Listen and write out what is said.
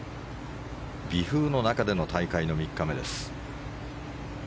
微風の中での大会の３日目です。